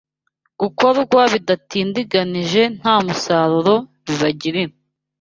gukorwa bidatindiganije ntamusaruro bibagirira